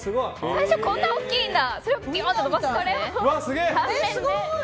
最初こんなに大きいんだ。